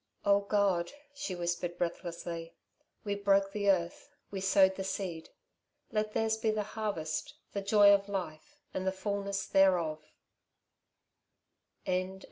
"Oh God," she whispered breathlessly, "we broke the earth, we sowed the seed. Let theirs be the harvest the joy of life and the fullness thereof."